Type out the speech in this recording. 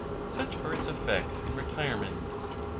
Such are its effects in retirement.